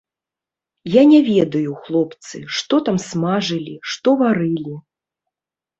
Я не ведаю, хлопцы, што там смажылі, што варылі.